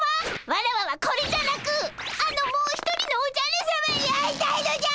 ワラワはこれじゃなくあのもう一人のおじゃるさまに会いたいのじゃ！